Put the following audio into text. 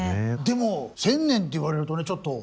でも１０００年って言われるとねちょっと。